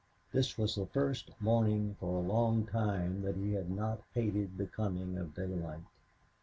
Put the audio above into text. This was the first morning for a long time that he had not hated the coming of daylight.